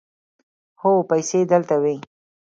هو، پیسې دلته وې